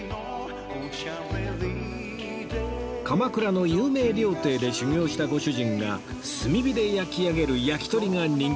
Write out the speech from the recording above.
鎌倉の有名料亭で修業したご主人が炭火で焼き上げる焼き鳥が人気